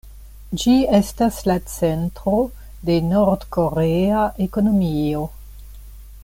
Ĝi estas la centro de Nord-korea ekonomio.